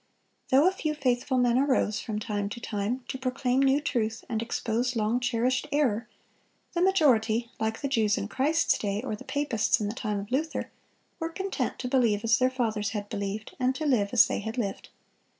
Though a few faithful men arose, from time to time, to proclaim new truth and expose long cherished error, the majority, like the Jews in Christ's day or the papists in the time of Luther, were content to believe as their fathers had believed, and to live as they had lived.